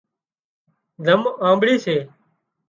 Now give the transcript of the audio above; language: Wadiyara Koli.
زم آنٻڙي سي